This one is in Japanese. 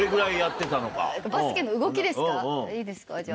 いいですか？